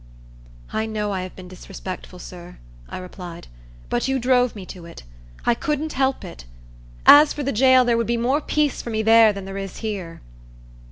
"I know I have been disrespectful, sir," I replied; "but you drove me to it; I couldn't help it. As for the jail, there would be more peace for me there than there is here."